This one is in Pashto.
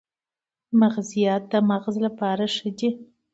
مغزيات د مغز لپاره ښه دي